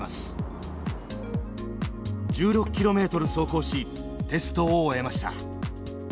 １６キロメートル走行しテストを終えました。